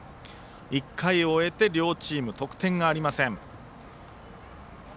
１回を終えて両チーム、得点がありません。